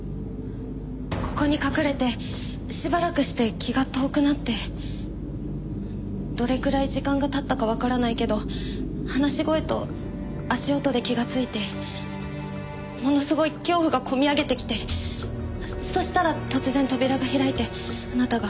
ここに隠れてしばらくして気が遠くなってどれくらい時間が経ったかわからないけど話し声と足音で気がついてものすごい恐怖が込み上げてきてそしたら突然扉が開いてあなたが。